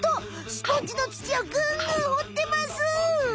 スポンジの土をぐんぐんほってます！